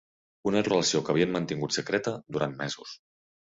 Una relació que havien mantingut secreta durant mesos.